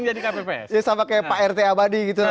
jadi kpps sama kayak pak rt abadi gitu